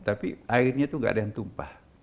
tapi airnya itu gak ada yang tumpah